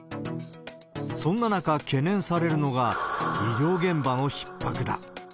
そんな中、懸念されるのが医療現場のひっ迫だ。